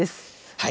はい。